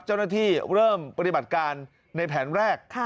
เจ้าหน้าที่เริ่มปฏิบัติการในแผนแรก